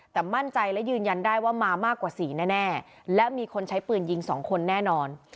แต่มั่นใจและยืนยันได้ว่ามามากกว่าสี่แน่และมีคนใช้ปืนยิง๒คนแน่นอน